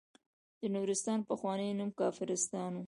د نورستان پخوانی نوم کافرستان و.